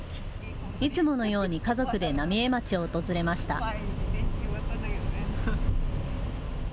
いつものように家族で浪江町を訪れました。